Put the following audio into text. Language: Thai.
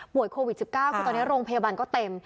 โควิด๑๙คือตอนนี้โรงพยาบาลก็เต็ม